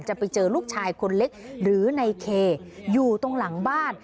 ไปเจอลูกชายคนเล็กหรือในเคอยู่ตรงหลังบ้าน